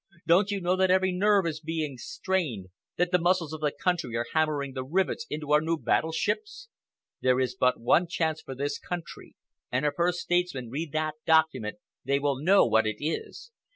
Don't you know that every nerve is being strained, that the muscles of the country are hammering the rivets into our new battleships? There is but one chance for this country, and if her statesmen read that document they will know what it is.